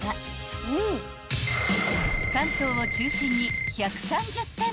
［関東を中心に］